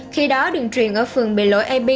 khi đó đường truyền ở phường bị lỗi ap